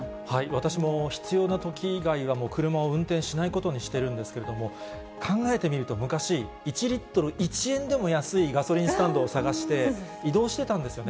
私も必要なとき以外は、車を運転しないことにしているんですけれども、考えてみると、昔、１リットル１円でも安いガソリンスタンドを探して、移動してたんですよね。